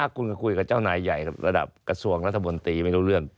คุณก็คุยกับเจ้านายใหญ่ระดับกระทรวงรัฐมนตรีไม่รู้เรื่อง